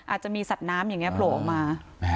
อาจจะมีสัตว์น้ำอย่างนี้โผล่ออกมา